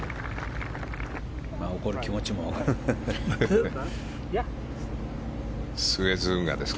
怒る気持ちも分かります。